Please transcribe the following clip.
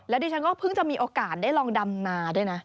ดิฉันก็เพิ่งจะมีโอกาสได้ลองดำนาด้วยนะ